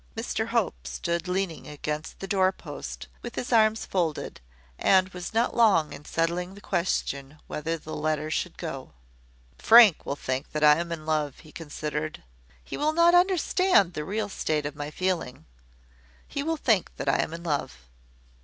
Mr Hope stood leaning against the door post, with his arms folded, and was not long in settling the question whether the letter should go. "Frank will think that I am in love," he considered. "He will not understand the real state of my feeling. He will think that I am in love.